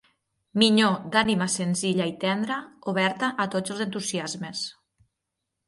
Minyó d'ànima senzilla i tendra, oberta a tots els entusiasmes